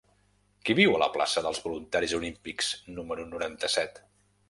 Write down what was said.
Qui viu a la plaça dels Voluntaris Olímpics número noranta-set?